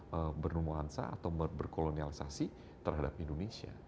yang bernuansa atau berkolonialisasi terhadap indonesia